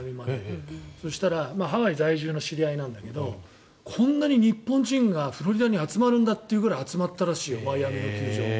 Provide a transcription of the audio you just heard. そうしたらハワイ在住の知り合いなんだけどこんなに日本人がフロリダに集まるんだっていうぐらい集まったらしいよマイアミの球場に。